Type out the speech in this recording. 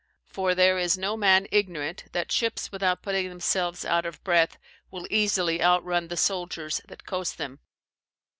For there is no man ignorant, that ships without putting themselves out of breath, will easily outrun the souldiers that coast them.